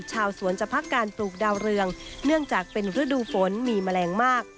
ชาวสวนจะพักการปลูกดาวเรืองเนื่องจากเป็นฤดูฝนมีแมลงมาก